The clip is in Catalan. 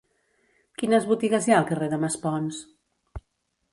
Quines botigues hi ha al carrer de Maspons?